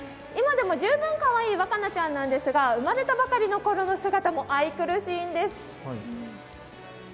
今でも十分かわいい和奏ちゃんなんですが、生まれたばかりのころの姿も愛くるしいんです。